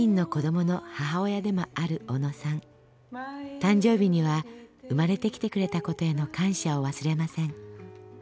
誕生日には生まれてきてくれた事への感謝を忘れません。